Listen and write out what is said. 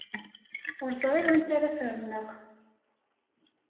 Ur ẓriɣ anta ara ferneɣ.